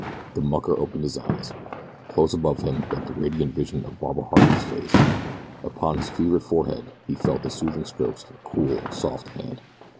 The mucker opened his eyes. Close above him bent the radiant vision of Barbara Harding's face. Upon his fevered forehead he felt the soothing strokes of her cool, soft hand.